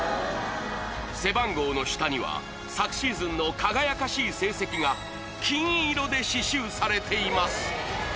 背番号の下には昨シーズンの輝かしい成績が金色で刺しゅうされています